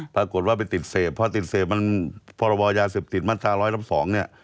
ปรากฏว่าไปติดเสพเพราะติดเสพมันพรยเสพติดมศ๑๐๒เนี่ย